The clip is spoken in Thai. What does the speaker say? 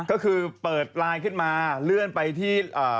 ก็คือเปิดไลน์ขึ้นมาเลื่อนไปที่